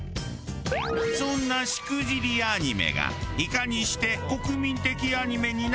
そんなしくじりアニメがいかにして国民的アニメになったのか？